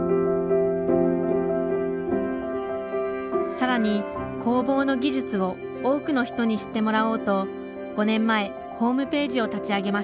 更に工房の技術を多くの人に知ってもらおうと５年前ホームページを立ち上げました。